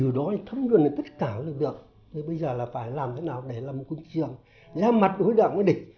từ đó thấm đường này tất cả là được bây giờ là phải làm thế nào để làm một công trường ra mặt đối đẳng với địch